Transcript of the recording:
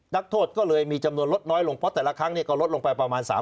นักโทษก็เลยมีจำนวนลดน้อยลงเพราะแต่ละครั้งก็ลดลงไปประมาณ๓๐๐